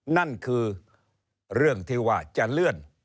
นั่นคือเรื่องที่ว่าจะเลื่อน